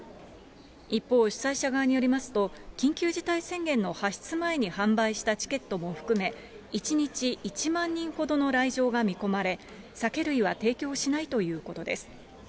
一方、主催者側によりますと、緊急事態宣言の発出前に販売したチケットも含め、１日１万人ほどの来場が見込まれ、酒類は提供しないということです。